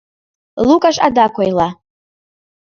Лукаш адак ойла: